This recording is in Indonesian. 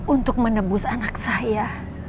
untuk menebus anak saya